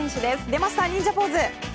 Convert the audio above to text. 出ました、忍者ポーズ！